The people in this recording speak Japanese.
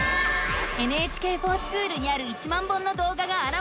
「ＮＨＫｆｏｒＳｃｈｏｏｌ」にある１万本のどうががあらわれたよ。